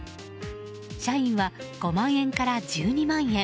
社員は５万円から１２万円。